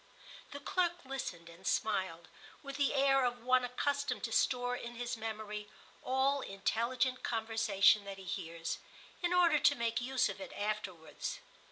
The clerk listened and smiled, with the air of one accustomed to store in his memory all intelligent conversation that he hears, in order to make use of it afterwards.